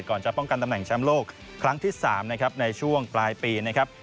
จะป้องกันตำแหน่งแชมป์โลกครั้งที่๓นะครับในช่วงปลายปีนะครับ